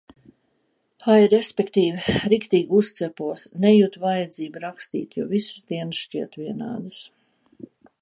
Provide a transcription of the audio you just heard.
Ai, respektīvi, riktīgi uzcepos. Nejutu vajadzību rakstīt, jo visas dienas šķiet vienādas.